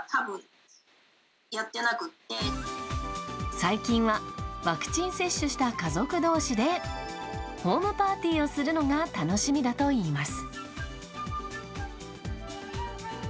最近はワクチン接種した家族同士でホームパーティーをするのが楽しみだといいます。